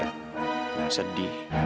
nanti amirah malah kaget sedih